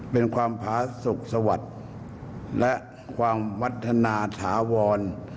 เป็นความพาสุขสวัสดิ์และความวัฒนาถาวร